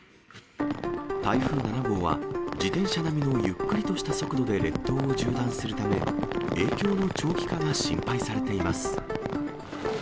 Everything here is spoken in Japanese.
台風７号は、自転車並みのゆっくりとした速度で列島を縦断するため、影響の長期化が心配されています。